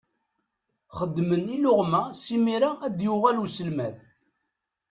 Xedmem iluɣma simira ad d-yuɣal uselmad.